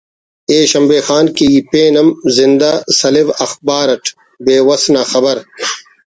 ءِ شمبے خان کہ ای پین ہم زندہ سلو اخبار اٹ بے وس نا خبر